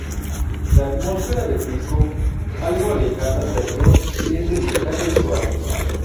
La atmósfera del disco, algo alejada del rock, es delicada y suave.